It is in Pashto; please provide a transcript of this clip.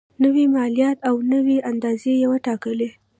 نوي مالیات او نوي اندازې یې وټاکلې.